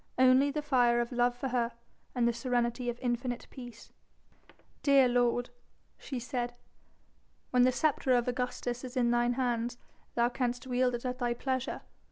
Only the fire of love for her and the serenity of infinite peace. "Dear lord," she said, "when the sceptre of Augustus is in thine hands thou canst wield it at thy pleasure.